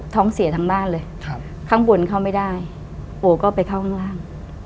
ท้องเสียทั้งบ้านเลยข้างบนเข้าไม่ได้ปู่ก็ไปเข้าข้างล่าง